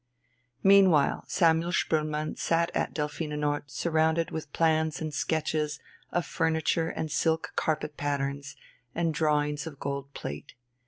Meanwhile Samuel Spoelmann sat at Delphinenort surrounded with plans and sketches of furniture and silk carpet patterns, and drawings of gold plate.